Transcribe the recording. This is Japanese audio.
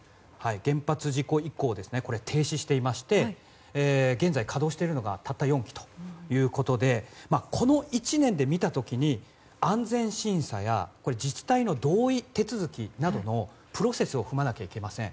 原発事故以降停止していまして現在稼働しているのがたった４基ということでこの１年で見た時に安全審査や自治体の同意手続きなどのプロセスを踏まなければなりません。